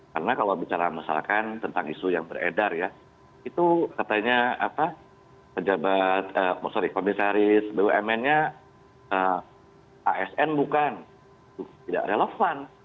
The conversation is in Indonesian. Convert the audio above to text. karena kalau bicara masalah kan tentang isu yang beredar ya itu katanya komisaris bumn nya asn bukan tidak relevan